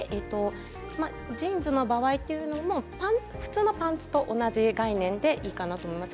ジーンズの場合というのも普通のパンツと同じ概念でいいかなと思います。